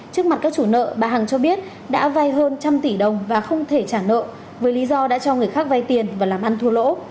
trước mặt các chủ nợ bà hằng cho biết đã vay hơn trăm tỷ đồng và không thể trả nợ với lý do đã cho người khác vay tiền và làm ăn thua lỗ